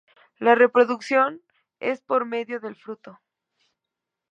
La reproducción es por medio del fruto.